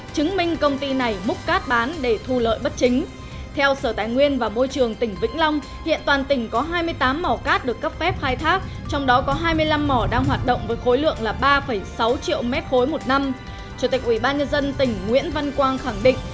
chủ tịch ubnd tỉnh nguyễn văn quang khẳng định